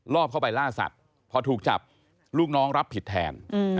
รอบเข้าไปล่าสัตว์พอถูกจับลูกน้องรับผิดแทน